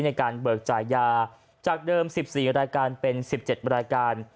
ในการเบิกจ่ายยาจากเดิม๑๔รายการเป็น๑๗รายการ